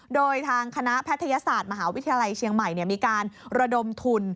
โดยทางคณะแพทยศาสตร์มหาวิทยาลัยเชียงใหม่มีการระดมทุน